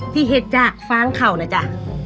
ที่เห็ดจากฟังเขานะจ๊ะ